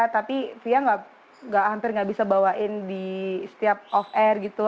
tapi fia hampir nggak bisa bawain di setiap off air gitu